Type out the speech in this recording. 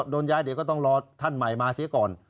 โดนย้ายเดี๋ยวก็ต้องรอท่านใหม่มาเสียก่อน